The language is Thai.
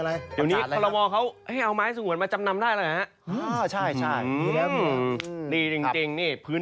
แล้วพี่น้องจะฝุกใจจะพาชาติไทยเรารุ่งรื่อย